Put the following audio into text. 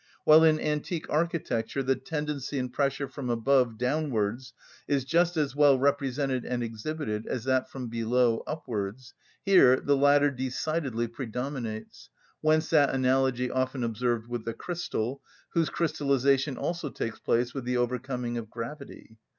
While in antique architecture the tendency and pressure from above downwards is just as well represented and exhibited as that from below upwards, here the latter decidedly predominates; whence that analogy often observed with the crystal, whose crystallisation also takes place with the overcoming of gravity.